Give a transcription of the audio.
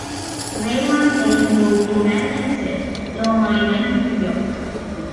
Reimann later moved to Manhasset, Long Island, New York.